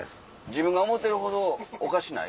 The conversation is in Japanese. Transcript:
自分が思うてるほどおかしない。